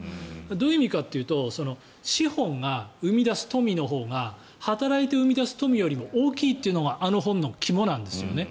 どういう意味かというと資本が生み出す富のほうが働いて生み出す富よりも大きいというのがあの本の肝なんですよね。